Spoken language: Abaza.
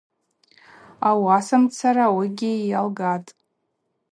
Ауасамцара ауыгьи йалгатӏ.